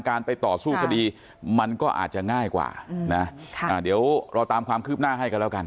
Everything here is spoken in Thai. การไปต่อสู้คดีมันก็อาจจะง่ายกว่านะเดี๋ยวเราตามความคืบหน้าให้กันแล้วกัน